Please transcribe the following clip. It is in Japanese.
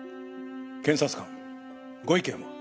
検察官ご意見は？